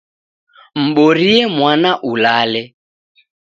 Mborie mwana ulale.